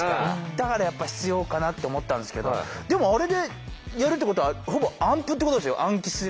だからやっぱ必要かなと思ったんですけどでもあれでやるってことはほぼ暗譜ってことですよ暗記する。